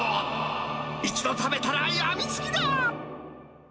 一度食べたらやみつきだ。